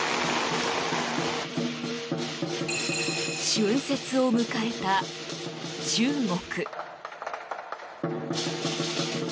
春節を迎えた中国。